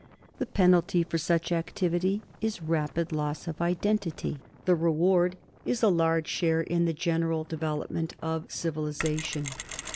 The penalty for such activity is rapid loss of identity ; the reward is a large share in the general development of civilization.